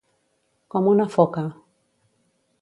Com una foca.